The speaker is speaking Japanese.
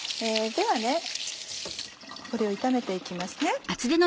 ではこれを炒めて行きますね。